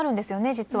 実は。